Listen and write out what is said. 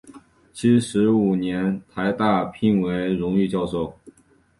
七十五年台大聘为荣誉教授。